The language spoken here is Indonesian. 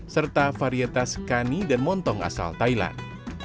serta varietas kani dan montong asal thailand